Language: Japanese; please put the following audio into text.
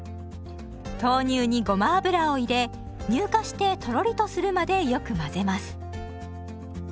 豆乳にごま油を入れ乳化してとろりとするまでよく混ぜます。